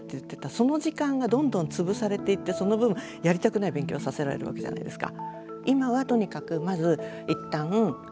その時間がどんどん潰されていってその分やりたくない勉強をさせられるわけじゃないですか。